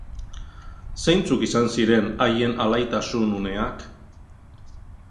Zeintzuk izan ziren haien alaitasun uneak?